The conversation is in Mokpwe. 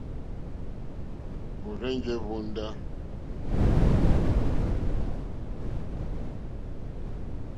Ó rzènjé hvóndá.